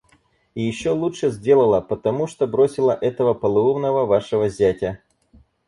И еще лучше сделала, потому что бросила этого полоумного вашего зятя.